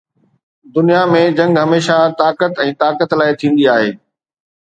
دنيا ۾ جنگ هميشه طاقت ۽ طاقت لاءِ ٿيندي آهي.